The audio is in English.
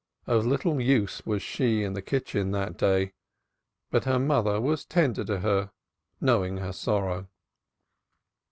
Of little use was she in the kitchen that day, but her mother was tender to her as knowing her sorrow.